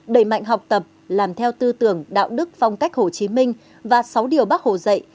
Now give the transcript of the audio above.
đẩy mạnh học tập làm theo tư tưởng đạo đức phong cách hồ chí minh và sáu điều bác hồ dạy